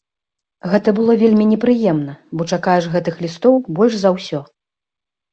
Гэта было вельмі непрыемна, бо чакаеш гэтых лістоў больш за ўсё.